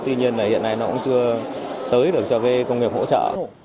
tuy nhiên là hiện nay nó cũng chưa tới được cho cái công nghiệp hỗ trợ